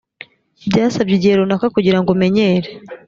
byasabye igihe runaka kugira ngo umenyere .